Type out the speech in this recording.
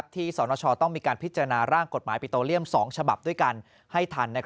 สนชต้องมีการพิจารณาร่างกฎหมายปิโตเลียม๒ฉบับด้วยกันให้ทัน